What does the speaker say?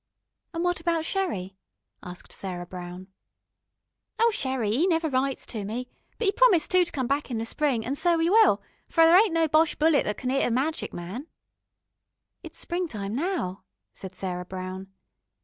"And what about Sherrie?" asked Sarah Brown. "Oh, Sherrie, 'e never writes to me. But 'e promised too to come back in the Spring, an' so 'e will, for there ain't no Boche bullet that can 'it a magic man." "It's springtime now," said Sarah Brown.